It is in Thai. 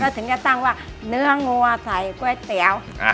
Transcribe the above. ถึงจะตั้งว่าเนื้องัวใส่ก๋วยเตี๋ยว